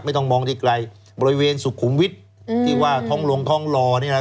ไม่ต้องมองที่ไกลบริเวณสุขุมวิทย์ที่ว่าทองลงทองลอ